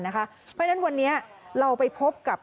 เพราะฉะนั้นวันนี้เราไปพบกับ